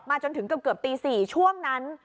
จนถึงเกือบตี๔ช่วงนั้น